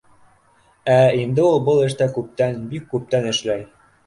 Ә инде ул был эштә күптән, бик күптән эшләй